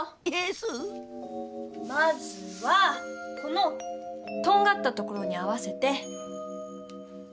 まずはこのとんがったところに合わせて。